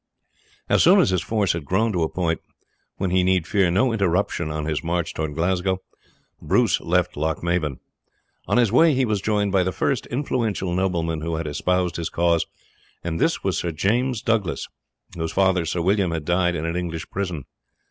As soon as his force had grown to a point when he need fear no interruption on his march toward Glasgow, Bruce left Lochmaben. On his way he was joined by the first influential nobleman who had espoused his cause; this was Sir James Douglas, whose father, Sir William, had died in an English prison.